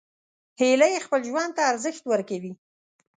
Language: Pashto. هیلۍ خپل ژوند ته ارزښت ورکوي